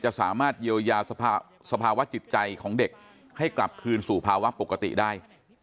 สามารถเยียวยาสภาวะจิตใจของเด็กให้กลับคืนสู่ภาวะปกติได้